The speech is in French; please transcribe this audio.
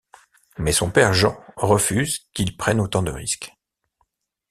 Mais son père Jean refuse qu'il prenne autant de risques.